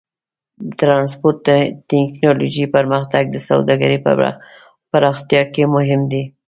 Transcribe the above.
د ټرانسپورټ ټیکنالوجۍ پرمختګ د سوداګرۍ په پراختیا کې مهم دی.